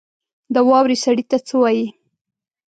د واورې سړي ته څه وايي؟